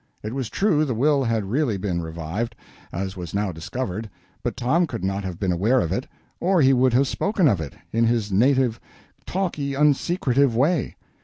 It was true the will had really been revived, as was now discovered, but Tom could not have been aware of it, or he would have spoken of it, in his native talky, unsecretive way.